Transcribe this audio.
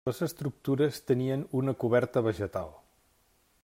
Les estructures tenien una coberta vegetal.